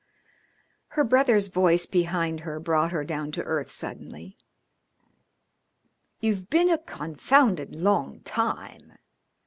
Her brother's voice behind her brought her down to earth suddenly. "You've been a confounded long time."